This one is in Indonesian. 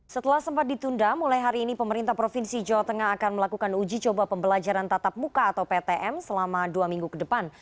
setelah sempat ditunda mulai hari ini pemerintah provinsi jawa tengah akan melakukan uji coba pembelajaran tatap muka atau ptm selama dua minggu ke depan